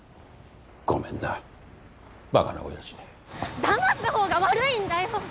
ごめんなバカな親父でだます方が悪いんだよ